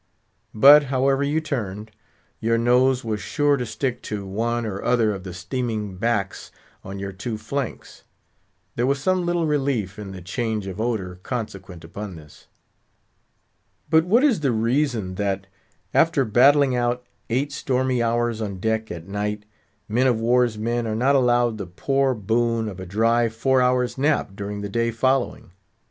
But, however you turned, your nose was sure to stick to one or other of the steaming backs on your two flanks. There was some little relief in the change of odour consequent upon this. But what is the reason that, after battling out eight stormy hours on deck at, night, men of war's men are not allowed the poor boon of a dry four hours' nap during the day following?